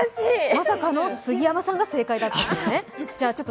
まさかの杉山さんが正解だったんですね。